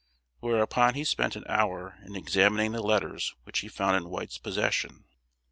Whereupon he spent an hour in examining the letters which he found in White's possession.